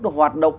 nó hoạt động